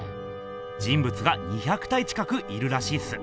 人ぶつが２００体近くいるらしいっす。